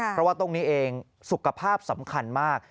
เพราะว่าตรงนี้เองสุขภาพสำคัญมาก